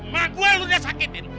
kalo lu tidak sakitin